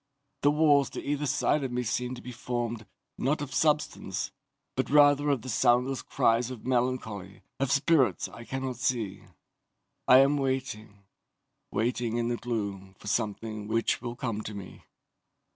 The walls to either side of me seem to be formed, not of substance, but rather of the soundless cries of melancholy of spirits I cannot see. "I am waiting, waiting in the gloom for something which will come to me.